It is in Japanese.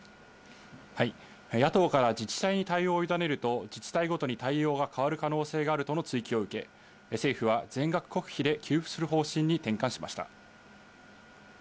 野党からは、自治体に対応を委ねると自治体ごとに対応が変わる可能性があるとの追及を受け、政府は全額国費で給付する方針に転換しました。